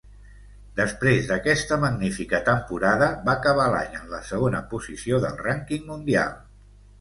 Després d'aquesta magnífica temporada va acabar l'any en la segona posició del rànquing mundial.